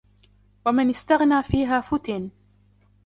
وَمَنْ اسْتَغْنَى فِيهَا فُتِنَ